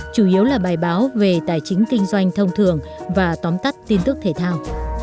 chủ yếu là bài báo về tài chính kinh doanh thông thường và tóm tắt tin tức thể thao